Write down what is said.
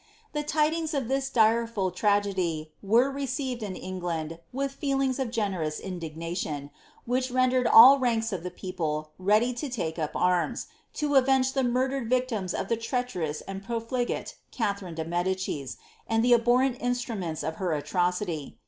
The tidings of tills direful tragedy were received in England with feelings of generous bdignation, which rendered all ranks of the people ready to take up urns, to avenge the murdered victims of the treacherous and profligate Citherine de Medicis, and the abhorrent instruments of her atrocity.